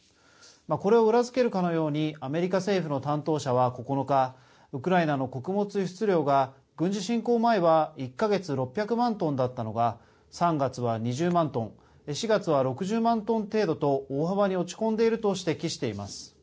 これを裏付けるかのようにアメリカ政府の担当者は９日ウクライナの穀物輸出量が軍事侵攻前は１か月６００万トンだったのが３月は２０万トン４月は６０万トン程度と大幅に落ち込んでいると指摘しています。